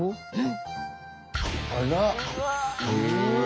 うん。